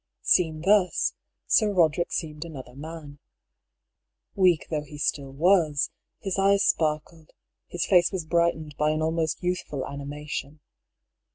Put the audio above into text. Seen thus, Sir Roderick seemed another man. Weak though he still was, his eyes sparkled, his face was bright AN INITIAL LETTER. 13 ened by an almost youthful animation.